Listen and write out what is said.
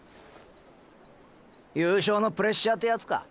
優勝のプレッシャーってヤツか？